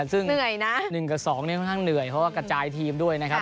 ๑กับ๒เนี่ยค่อนข้างเหนื่อยเพราะว่ากระจายทีมด้วยนะครับ